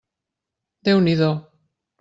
Déu n'hi do!